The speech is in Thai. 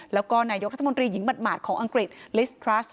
แล้วก็นายกรัฐมนตรีหญิงหมาดของอังกฤษลิสตรัส